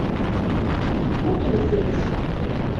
Muqqlet-tt.